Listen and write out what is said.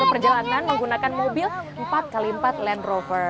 satu perjalanan menggunakan mobil empat x empat land rover